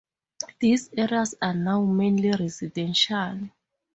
These areas are now mainly residential.